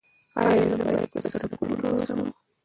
ایا زه باید په سرپل کې اوسم؟